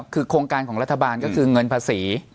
คือโครงการของรัฐบาลก็คือเงินภาษี